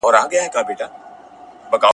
له لیونیو سپیو ځان وساتئ.